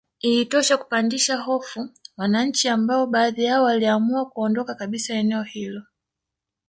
Ilitosha kupandisha hofu wananchi ambao baadhi yao waliamua kuondoka kabisa eneo hilo